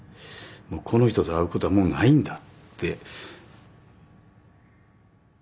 もうこの人と会うことはもうないんだって。